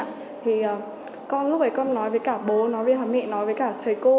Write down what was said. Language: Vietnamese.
thì con lúc ấy con nói với cả bố nói với mẹ nói với cả thầy cô